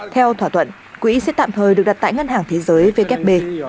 theo thỏa thuận quỹ sẽ tạm thời được đặt tại ngân hàng thế giới vkp